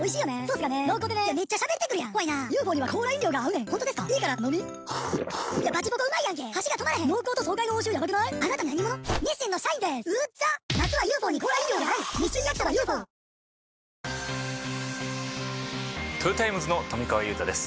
わかるぞトヨタイムズの富川悠太です